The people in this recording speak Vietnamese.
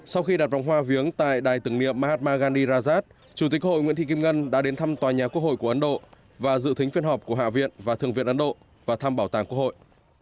sau khi đặt vòng hoa viếng tại đài tưởng niệm mahatmagani rajat chủ tịch hội nguyễn thị kim ngân đã đến thăm tòa nhà quốc hội của ấn độ và dự thính phiên họp của hạ viện và thượng viện ấn độ và thăm bảo tàng quốc hội